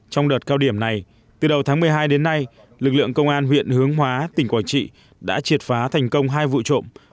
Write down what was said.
trong đợt cao điểm này từ đầu tháng một mươi hai đến nay lực lượng công an huyện hướng hóa tỉnh quảng trị đã triệt phá thành công hai vụ trộm